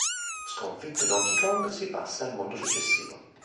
Sconfitto Donkey Kong, si passa al mondo successivo.